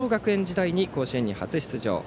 鶴商学園時代に甲子園に初出場。